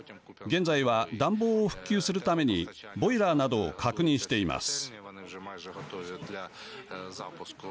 現在は暖房を復旧するためにボイラーなどを確認しています。